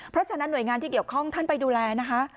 เพราะฉะนั้นหน่วยงานที่เกี่ยวข้องท่านไปดูแลนะคะ